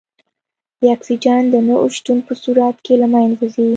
د اکسیجن د نه شتون په صورت کې له منځه ځي.